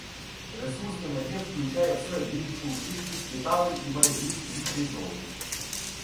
Ресурсний набір включає в себе більшу кількість деталей і має більше їх різновидів.